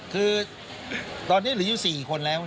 คือตอนนี้เหลืออยู่๔คนแล้ว